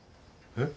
えっ？